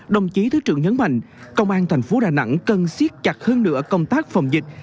đồng chí thứ trưởng nhấn mạnh công an tp đà nẵng cần siết chặt hơn nửa công tác phòng dịch